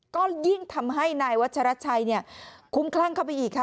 ก็ยิ่งทำให้นายวัชราชัยคุ้มคลั่งเข้าไปอีกค่ะ